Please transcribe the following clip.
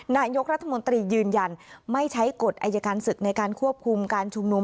นายกรัฐมนตรียืนยันไม่ใช้กฎอายการศึกในการควบคุมการชุมนุม